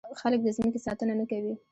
خلک د ځمکې ساتنه نه کوي.